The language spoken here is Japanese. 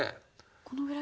このぐらい？